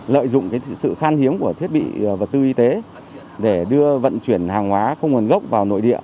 lợi dụng sự khan hiếm của thiết bị vật tư y tế để đưa vận chuyển hàng hóa không nguồn gốc vào nội địa